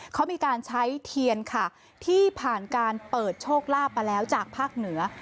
เขามีการใช้เทียนค่ะที่ผ่านการเปิดโชคลาภมาแล้วจากภาคเหนือ